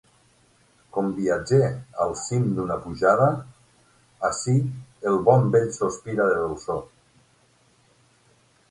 Com viatger al cim d'una pujada, ací el bon vell sospira de dolçor.